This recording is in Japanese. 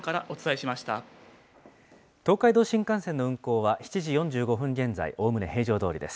東海道新幹線の運行は７時４５分現在、おおむね平常どおりです。